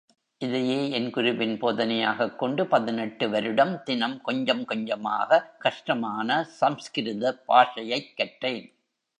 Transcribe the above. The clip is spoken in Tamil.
இதையே என் குருவின் போதனையாக் கொண்டு, பதினெட்டு வருடம், தினம் கொஞ்சம் கொஞ்சமாக, கஷ்டமான சம்ஸ்கிருத பாஷையைக் கற்றேன்.